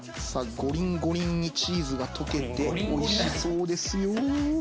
ゴリンゴリンにチーズが溶けておいしそうですよあっ